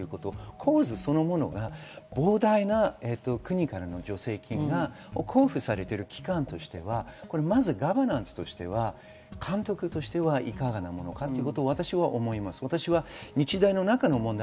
構図そのものが膨大な国からの助成金が交付されている期間としては、ガバナンスとしては、監督としてはいかがなものかと私は思います。